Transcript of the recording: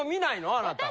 あなたは。